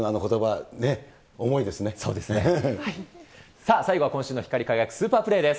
さあ、最後は今週の光り輝く、スーパープレーです。